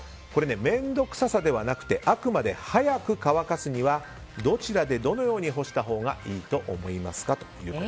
面倒臭さではなくてあくまで早く乾かすにはどちらでどのように干したほうがいいと思いますか。